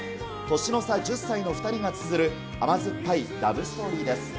年の差１０歳の２人がつづる甘酸っぱいラブストーリーです。